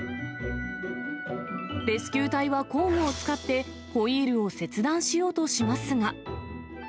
レスキュー隊は工具を使って、ホイールを切断しようとしますが。